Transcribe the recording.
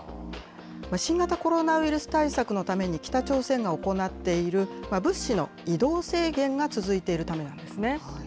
新型コロナウイルス対策のために北朝鮮が行っている、物資の移動制限が続いているためなんですね。